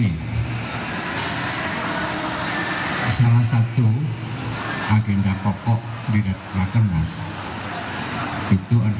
istirahatnya kalau dicuri kan dipajak gitu kan